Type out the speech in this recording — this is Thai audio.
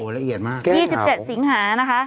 โอ้ละเอียดมากแก้งเห่า๒๗สิงหานะคะ